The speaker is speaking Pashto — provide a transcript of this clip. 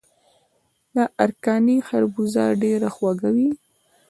د ارکاني خربوزه ډیره خوږه وي.